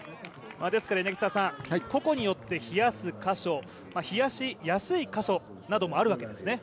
ですから、ここによって冷やす箇所冷やしやすい箇所などもあるわけですね。